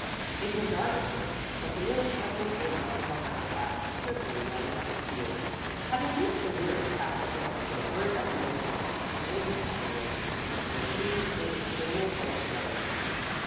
It was dark at first, but the moon suddenly came out from behind the clouds, cheerfully lighting up the fields. Having reached the rear of the castle hill, they hurried up the incline and into the pinewoods, where the trees stood extremely close together.